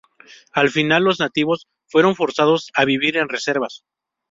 Al final los nativos fueron forzados a vivir en reservas.